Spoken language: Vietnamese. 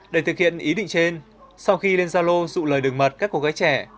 để thực hiện ý định trên sau khi lên gia lô lời đường mật các cô gái trẻ